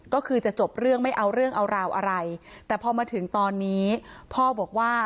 ก็คือจะจบเรื่องไม่เอาเรื่องเอาราวอะไรแต่พอมาถึงตอนนี้พ่อบอกว่า